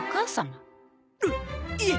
あっいえ。